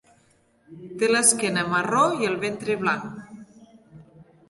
Té l'esquena marró i el ventre blanc.